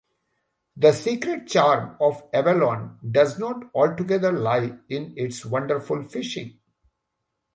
The secret charm of Avalon does not altogether lie in its wonderful fishing.